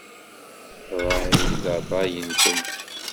Ṛṛay d ṛṛay-nwent.